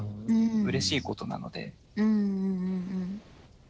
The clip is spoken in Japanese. うれしいことなので。